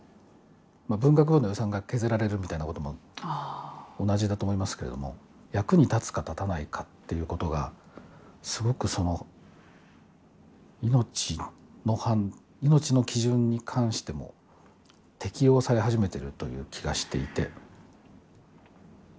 文学部の予算が削られるみたいなことも同じだと思いますけれども役に立つか立たないかっていうことがすごく命の基準に関しても適用され始めているという気がしていて。